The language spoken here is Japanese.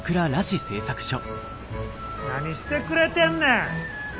何してくれてんねん！